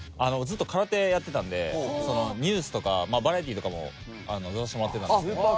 ずっと空手やってたのでニュースとかまあバラエティーとかも出させてもらってたんですけど。